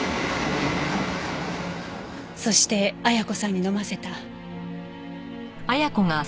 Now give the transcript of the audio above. そして綾子さんに飲ませた。